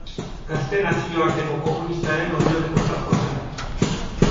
Gazte Nazioarteko Komunistaren oinordekotzat jotzen da.